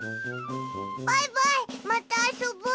バイバイまたあそぼう。